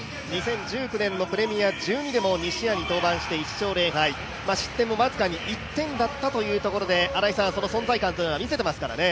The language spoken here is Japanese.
２０１９年のプレミア１２でも２試合に登板して１勝０敗、失点も僅か１点だったということで新井さん、その存在感というものは見せていますからね。